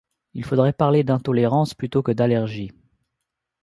Il faudrait parler d'intolérance plutôt que d'allergie.